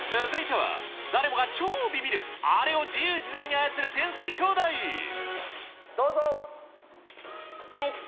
続いては、誰もが超ビビるあれを自由自在に操る天才きょうだい。